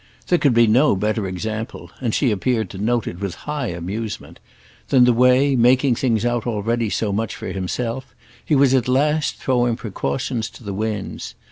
There could be no better example—and she appeared to note it with high amusement—than the way, making things out already so much for himself, he was at last throwing precautions to the winds.